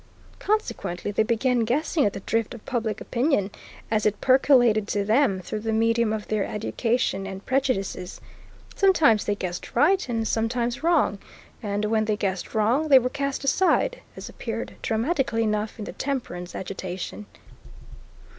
Consequently, they began guessing at the drift of public opinion, as it percolated to them through the medium of their education and prejudices. Sometimes they guessed right and sometimes wrong, and when they guessed wrong they were cast aside, as appeared dramatically enough in the temperance agitation.